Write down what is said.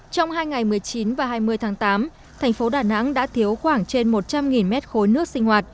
trong hai ngày một mươi chín và hai mươi tháng tám thành phố đà nẵng đã thiếu khoảng trên một trăm linh mét khối nước sinh hoạt